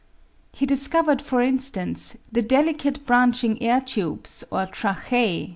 He dis covered, for instance, the delicate branching air tubes (or PMa: J J.